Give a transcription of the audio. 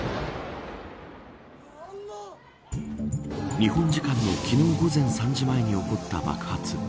日本時間の昨日午前３時前に起こった爆発。